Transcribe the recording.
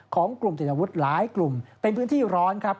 ของกลุ่มติดอาวุธหลายกลุ่มเป็นพื้นที่ร้อนครับ